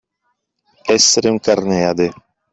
Essere un Carneade.